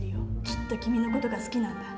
きっと君の事が好きなんだ。